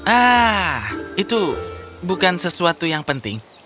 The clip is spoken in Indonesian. ah itu bukan sesuatu yang penting